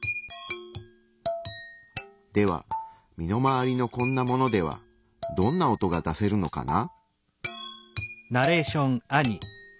では身の回りのこんなものではどんな音が出せるのかな？